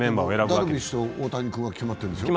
ダルビッシュと大谷君は決まってるでしょ？